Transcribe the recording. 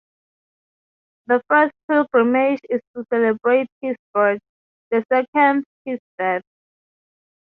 The first pilgrimage is to celebrate his birth, the second his death.